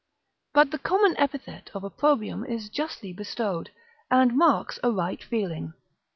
But the common epithet of opprobrium is justly bestowed, and marks a right feeling.